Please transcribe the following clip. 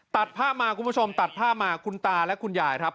ตัดผ้ามาคุณผู้ชมตัดผ้ามาคุณตาและคุณยายครับ